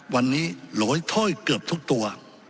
วันนี้โหลยถ้อยเกือบทุกตัว